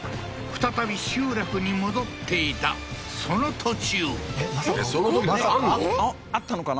再び集落に戻っていたその途中まさか？